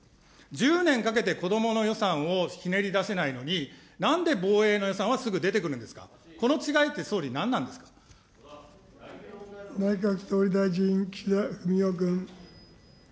１０年かけて子どもの予算をひねり出せないのに、なんで防衛の予算はすぐ出てくるんですか、この違いって、総理、内閣総理大臣、岸田文雄君。